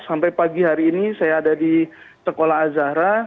sampai pagi hari ini saya ada di sekolah azahra